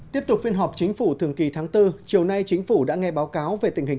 tiếp tục phiên họp chính phủ thường kỳ tháng bốn chiều nay chính phủ đã nghe báo cáo về tình hình